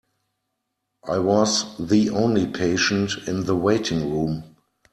I was the only patient in the waiting room.